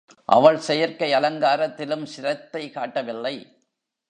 அவள் செயற்கை அலங்காரத்திலும் சிரத்தை காட்டவில்லை.